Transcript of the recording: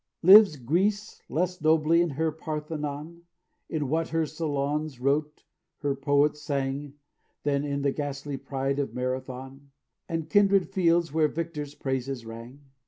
"Lives Greece less nobly in her Parthenon, In what her Solons wrote, her poets sang, Than in the gastly pride of Marathon, And kindred fields where victors' praises rang?